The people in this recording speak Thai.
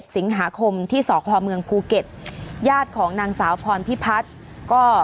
สิงหาคมที่สพเมืองภูเก็ตญาติของนางสาวพรพิพัฒน์ก็